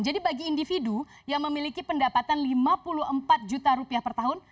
jadi bagi individu yang memiliki pendapatan lima puluh empat juta rupiah per tahun